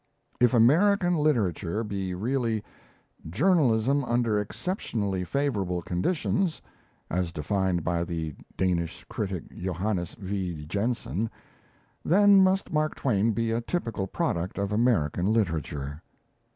If American literature be really "Journalism under exceptionally favourable conditions," as defined by the Danish critic, Johannes V. Jensen, then must Mark Twain be a typical product of American literature.